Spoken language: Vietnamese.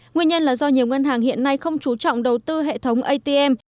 nguyên nhân là do nhiều ngân hàng hiện nay không trú trọng đầu tư hệ thống atm